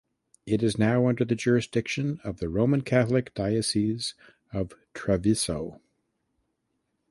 It is now under the jurisdiction of the Roman Catholic Diocese of Treviso.